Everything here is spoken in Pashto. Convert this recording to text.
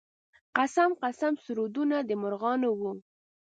قسم قسم سرودونه د مرغانو و.